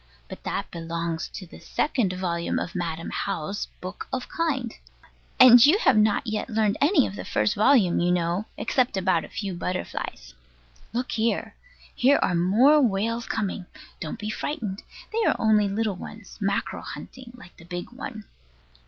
But that belongs to the second volume of Madam How's Book of Kind; and you have not yet learned any of the first volume, you know, except about a few butterflies. Look here! Here are more whales coming. Don't be frightened. They are only little ones, mackerel hunting, like the big one.